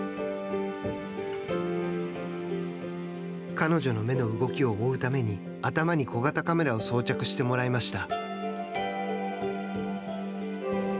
彼女の目の動きを追うために頭に小型カメラを装着してもらいました。